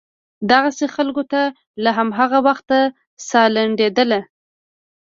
دغسې خلکو ته له هماغه وخته سا لنډېدله.